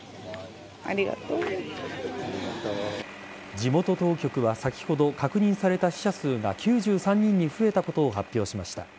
地元当局は先ほど確認された死者数が９３人に増えたことを発表しました。